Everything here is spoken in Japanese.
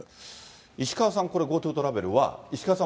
石川さん、これ、ＧｏＴｏトラベルは、石川さん